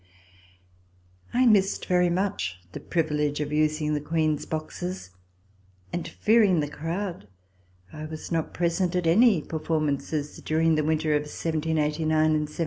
I missed very much the privilege of using the Queen's boxes, and, fearing the crowd, I was not present at any performances during the winter of 1789 and 1790.